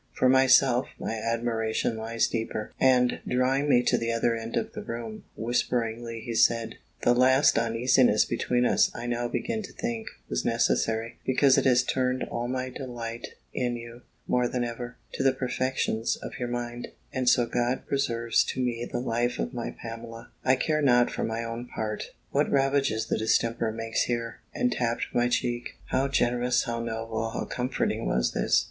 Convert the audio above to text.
For myself, my admiration lies deeper;" and, drawing me to the other end of the room, whisperingly he said, "The last uneasiness between us, I now begin to think, was necessary, because it has turned all my delight in you, more than ever, to the perfections of your mind: and so God preserves to me the life of my Pamela, I care not for my own part, what ravages the distemper makes here," and tapped my cheek. How generous, how noble, how comforting was this!